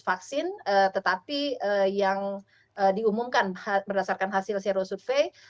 vaksin tetapi yang diumumkan berdasarkan hasil serosurvey